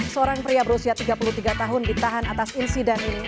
seorang pria berusia tiga puluh tiga tahun ditahan atas insiden ini